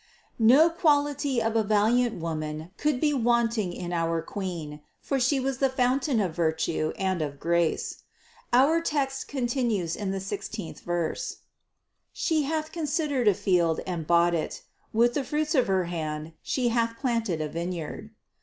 No quality of a valiant woman could be want ing in our Queen, for She was the fountain of virtue and of grace. Our text continues in the sixteenth verse: "She hath considered a field and bought it: with the fruits of her hand She hath planted a vineyard."